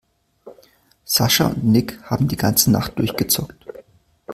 Sascha und Nick haben die ganze Nacht durchgezockt.